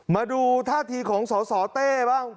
มาดูท่าทีของสสเต้บ้าง